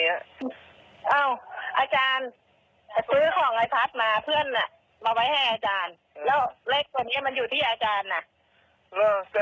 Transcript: แล้วเลขตัวเนี่ยมันอยู่ที่อาจารย์ไง